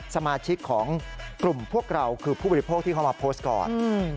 สมาชิกของกลุ่มพวกเราคือผู้บริโภคที่เขามาโพสต์ก่อน